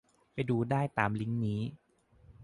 ไปดูได้ตามลิงก์นี้